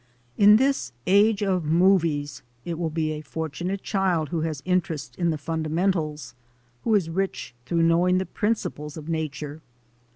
In this the Age of Movies it will be a fortunate child who has interest in the fundamentals; who is rich through knowing the principles of Nature.